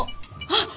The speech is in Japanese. あっ。